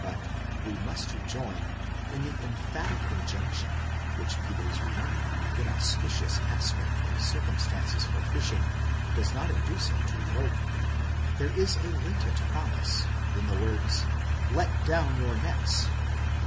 But, we must rejoin, in the emphatic injunction, which Peter's remark on the inauspicious aspect of circumstances for fishing does not induce him to revoke, there is a latent promise, and the words, Let down your nets, etc.